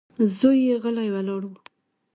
زوی يې غلی ولاړ و.